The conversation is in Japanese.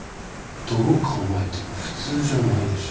どう考えても普通じゃないでしょ。